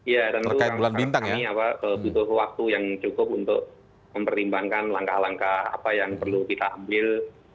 ya tentu kami butuh waktu yang cukup untuk mempertimbangkan langkah langkah apa yang perlu kita ambil